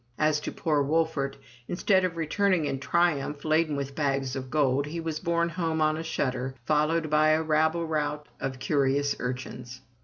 As to poor Wolfert, instead of returning in triumph laden with bags of gold, he was borne home on a shutter, followed by a rabble rout of curious urchins.